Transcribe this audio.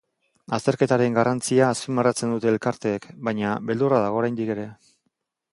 Azterketaren garrantzia azpimarratzen dute elkarteek, baina beldurra dago oraindik ere.